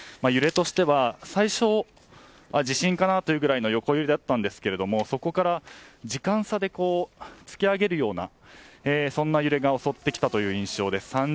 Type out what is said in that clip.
揺れとしては、最初は地震かなというぐらいの横揺れでしたがそこから時間差で突き上げるようなそんな揺れが襲ってきた印象です。